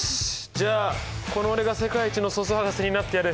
じゃあこの俺が世界一の素数博士になってやる。